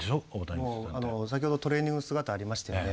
先ほどトレーニング姿ありましたよね。